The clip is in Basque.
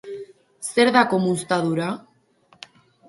Zer da komunztadura?